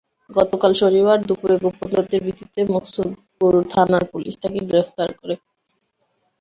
গতকাল শনিবার দুপুরে গোপন তথ্যের ভিত্তিতে মুকসুদপুর থানার পুলিশ তাঁকে গ্রেপ্তার করে।